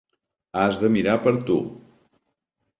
Has de mirar per tu.